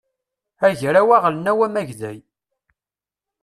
agraw aɣelnaw amagday